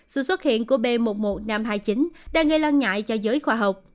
sự xuất hiện của b một mươi một nghìn năm trăm hai mươi chín đang gây lo ngại cho giới khoa học